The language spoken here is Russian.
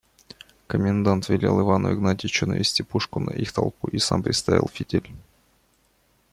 Комендант велел Ивану Игнатьичу навести пушку на их толпу и сам приставил фитиль.